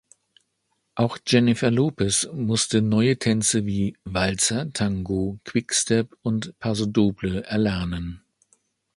Auch Jennifer Lopez musste neue Tänze wie Walzer, Tango, Quickstep und Paso Doble erlernen.